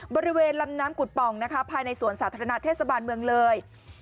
บริเวณลำน้ำกุฎป่องนะคะภายในสวนสาธารณะเทศบาลเมืองเลย